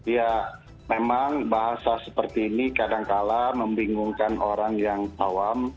ya memang bahasa seperti ini kadangkala membingungkan orang yang awam